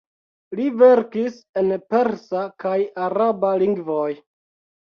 Li verkis en persa kaj araba lingvoj.